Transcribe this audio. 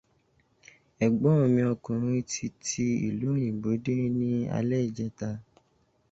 Ẹ̀gbọ́n mi ọkùnrin ti ti ìlú òyìnbó dé ní alẹ́ ìjẹta.